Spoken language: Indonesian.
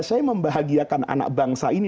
saya membahagiakan anak bangsa ini